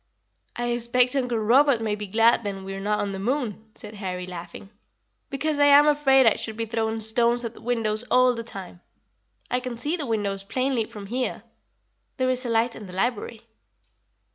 "I expect Uncle Robert may be glad then we are not on the moon," said Harry, laughing; "because I am afraid I should be throwing stones at the windows all the time. I can see the windows plainly from here. There is a light in the library."